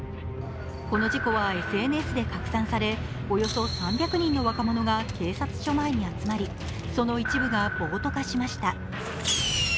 この事故はＳＮＳで拡散されおよそ３００人の若者が警察署前に集まりその一部が暴徒化しました。